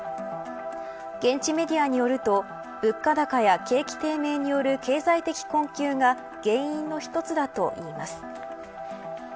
現地メディアによると物価高や景気低迷による経済的困窮が原因の一つだといいます。